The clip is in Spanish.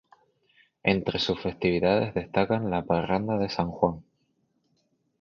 Entre sus festividades destacan la Parranda de San Juan.